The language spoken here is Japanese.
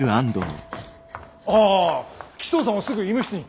あぁ鬼頭さんをすぐ医務室に。